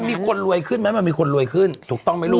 มีคนรวยขึ้นไหมมันมีคนรวยขึ้นถูกต้องไหมลูก